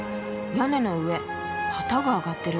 屋根の上旗があがってる。